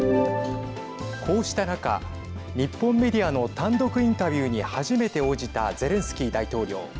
こうした中日本メディアの単独インタビューに初めて応じたゼレンスキー大統領。